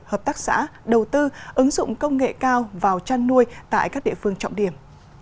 hợp tác xã đầu tư ứng dụng công nghệ cao vào chăn nuôi tại các địa phương trọng điểm